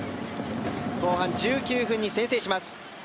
後半１９分に先制します。